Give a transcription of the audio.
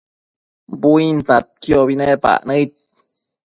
buintadquiobi nepac nëid